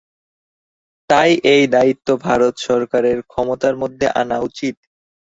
তাই এই দায়িত্ব ভারত সরকারের ক্ষমতার মধ্যেই আনা উচিত।